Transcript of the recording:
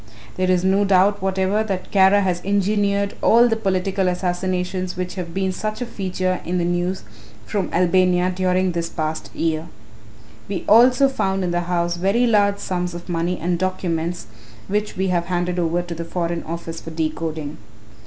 There is no doubt whatever that Kara has engineered all the political assassinations which have been such a feature in the news from Albania during this past year. We also found in the house very large sums of money and documents which we have handed over to the Foreign Office for decoding."